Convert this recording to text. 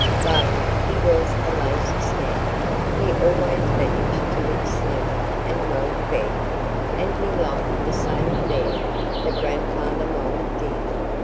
Though he was a lazy scamp, he always managed to look sleek and well fed. And he liked the same fare that Grandfather Mole did.